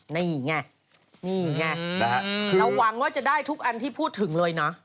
นี่ไงนี่ไงเราหวังว่าจะได้ทุกอันที่พูดถึงเลยเนอะ